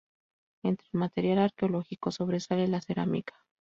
Entre el material arqueológico sobresale la cerámica.